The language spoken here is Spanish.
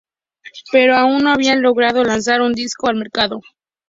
Pero aún no habían logrado lanzar un disco al mercado.